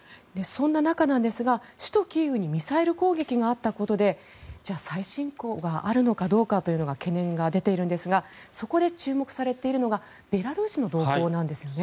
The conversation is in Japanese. そんな中ですが首都キーウにミサイル攻撃があったことでじゃあ、再侵攻があるのかどうかという懸念が出ているんですがそこで注目されているのがベラルーシの動向なんですね。